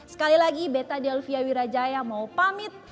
sekali lagi beta delvia wirajaya mau pamit